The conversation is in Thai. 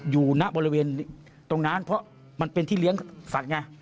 ณบริเวณตรงนั้นเพราะมันเป็นที่เลี้ยงสัตว์ไง